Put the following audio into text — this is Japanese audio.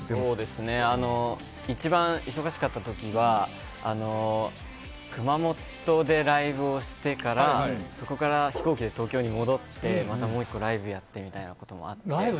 一番忙しかった時は熊本でライブをしてからそこから飛行機で東京に戻ってまたもう１個ライブやってみたいなことがあって。